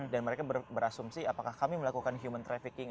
dan mereka berasumsi apakah kami melakukan human trafficking